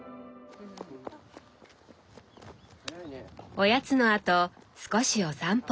おやつのあと少しお散歩。